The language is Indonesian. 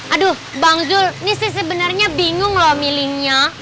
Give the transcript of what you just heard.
aduh bang zul ini saya sebenernya bingung loh milihnya